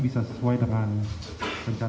bisa sesuai dengan kemampuan kita